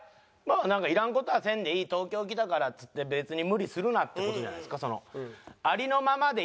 なんかいらん事はせんでいい東京来たからっつって別に無理するなって事じゃないですか。